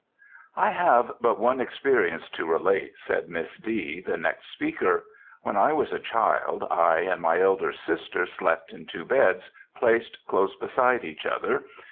"I have but one experience to relate," said Miss D., the next speaker. "When I was a child, I and my elder sister slept in two beds, placed close beside each other.